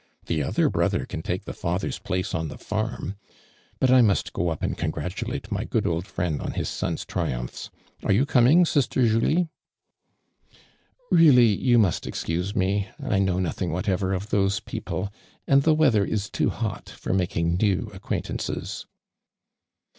The other brother can take the father's place on the farm. But i must go up and congratulate my good old friend on his son's triumphs ! Are you com uig, sister Julie?"' "Keally, you must excuse me. I know nothing whatever of those people, and the weather is too hot for making new acquaint ances."